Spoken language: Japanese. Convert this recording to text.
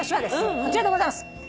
こちらでございます。